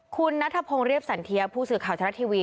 คุณนัทพงศ์เรียบสันเทียผู้สื่อข่าวทรัฐทีวี